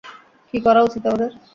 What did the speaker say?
কী করা উচিত আমাদের?